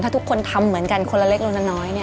ถ้าทุกคนทำเหมือนกันคนละเล็กคนละน้อย